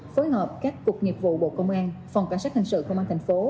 phối hợp các cuộc nghiệp vụ bộ công an phòng cảnh sát hành sự công an tp hcm